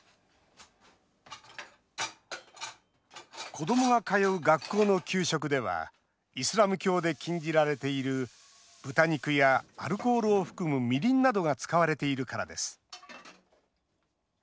子どもが通う学校の給食ではイスラム教で禁じられている豚肉やアルコールを含む、みりんなどが使われているからです。